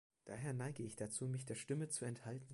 Daher neige ich dazu, mich der Stimme zu enthalten.